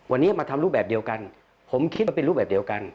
วันนี้มาทำรูปแบบเดียวกันผมคิดว่าเป็นรูปแบบเดียวกัน